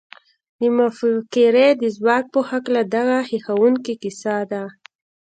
د مفکورې د ځواک په هکله دغه هیښوونکې کیسه ده